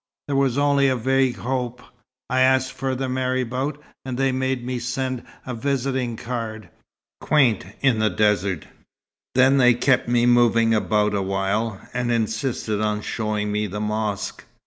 There was only a vague hope. I asked for the marabout, and they made me send a visiting card quaint in the desert. Then they kept me moving about a while, and insisted on showing me the mosque.